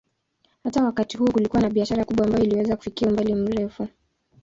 Hata wakati huo kulikuwa na biashara kubwa ambayo iliweza kufikia umbali mrefu.